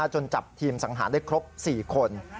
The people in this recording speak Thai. จนจับทีมสังหารได้ครบ๔คน